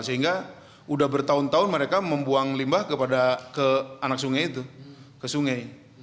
sehingga sudah bertahun tahun mereka membuang limbah ke anak sungai itu ke sungai